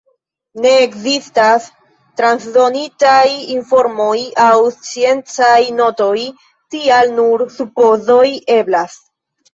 Ne ekzistas transdonitaj informoj aŭ sciencaj notoj, tial nur supozoj eblas.